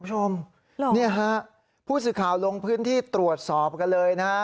ทุกคนผู้สือข่าวลงพื้นที่ตรวจสอบกันเลย